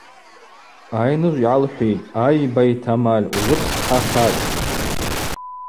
Айныжв йгӏалхӏвитӏ: – Ай байтамаль, ужвы бспхӏахатӏ.